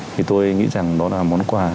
thì tôi nghĩ rằng đó là món quà